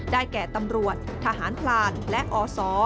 แก่ตำรวจทหารพลานและอศ